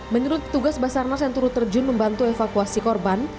menurut petugas basarnas yang turut terjun membantu evakuasi korban